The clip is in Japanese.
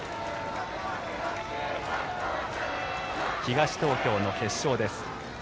東東京の決勝です。